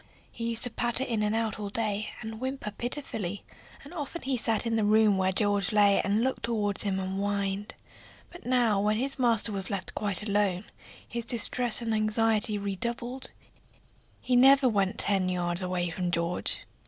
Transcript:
He used to patter in and out all day, and whimper pitifully, and often he sat in the room where George lay and looked toward him and whined. But now when his master was left quite alone his distress and anxiety redoubled; he never went ten yards away from George.